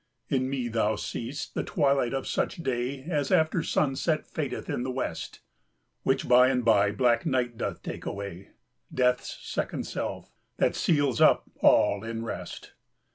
In me thou seest the twilight of such day As after sunset fadeth in the west, Which by and by black night doth take away. Death's second self, that seals up all in rest.